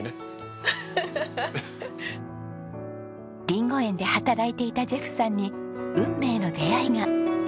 リンゴ園で働いていたジェフさんに運命の出会いが。